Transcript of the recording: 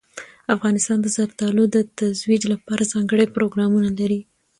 افغانستان د زردالو د ترویج لپاره ځانګړي پروګرامونه لري.